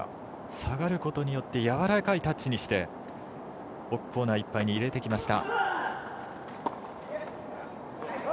下がることによってやわらかいタッチにしてコーナーいっぱいに入れてきました。